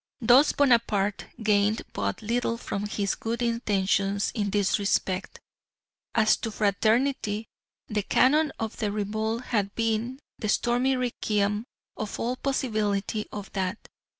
Thus Bonaparte gained but little from his good intentions in this respect. As to "Fraternity," the cannon of the revolt had been the stormy requiem of all possibility of that.